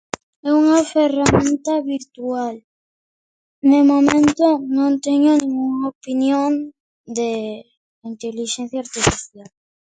É unha ferramenta habitual. De momento non teño ningunha opinión de intelixencia artificial.